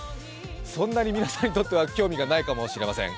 そんなに皆さんにとっては興味がないかもしれません。